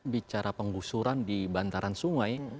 bicara penggusuran di bantaran sungai